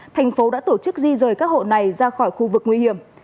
thành phố đã tổ chức di rời các hộ này ra khỏi khu vực nguy hiểm